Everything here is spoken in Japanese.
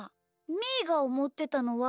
みーがおもってたのは。